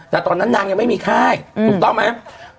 แต่ตอนนั้นนางยังไม่มีค่ายถูกต้องไหม